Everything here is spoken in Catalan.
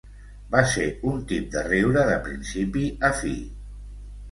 Va ser un tip de riure de principi a fi.